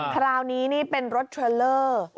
คราวนี้นี่เป็นรถเทรลเลอร์